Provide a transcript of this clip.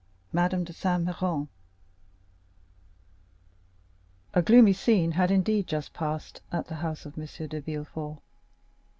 Madame de Saint Méran A gloomy scene had indeed just passed at the house of M. de Villefort.